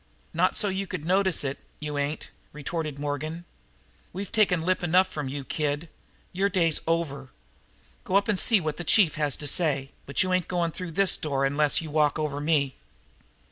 "Not so you could notice it, you ain't," retorted Morgan. "We've taken lip enough from you, kid. Your day's over. Go up and see what the chief has to say, but you ain't going through this door unless you walk over me."